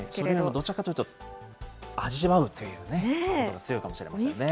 どちらかというと、味わうということが強いかもしれませんね。